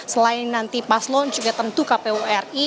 selain nanti paslon juga tentu kpu ri